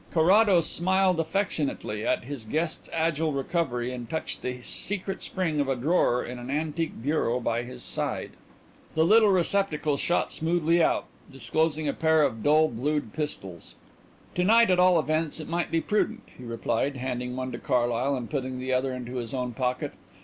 Carrados smiled affectionately at his guest's agile recovery and touched the secret spring of a drawer in an antique bureau by his side. The little hidden receptacle shot smoothly out, disclosing a pair of dull blued pistols. "To night, at all events, it might be prudent," he replied, handing one to Carlyle and putting the other into his own pocket.